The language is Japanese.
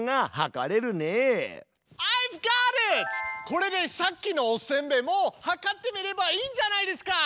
これでさっきのおせんべいもはかってみればいいんじゃないですか！